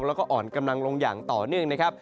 แล้วก็อ่อนกำลังลงอย่างต่อเนื่องนะครับ